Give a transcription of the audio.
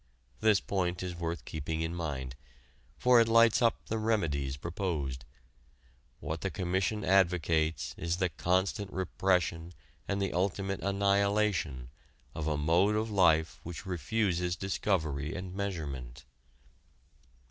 This point is worth keeping in mind, for it lights up the remedies proposed. What the Commission advocates is the constant repression and the ultimate annihilation of a mode of life which refuses discovery and measurement.